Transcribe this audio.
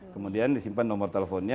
kemudian disimpan nomor teleponnya